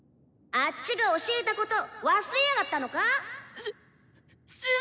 あッチが教えたこと忘れやがったのか⁉しっ師しょ！